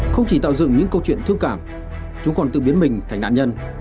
không chỉ tạo dựng những câu chuyện thương cảm chúng còn tự biến mình thành nạn nhân